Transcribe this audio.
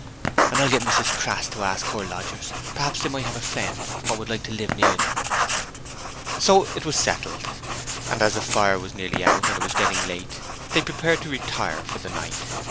'And I'll get Mrs Crass to ask her lodgers: p'raps they might have a friend what would like to live near them.' So it was settled; and as the fire was nearly out and it was getting late, they prepared to retire for the night.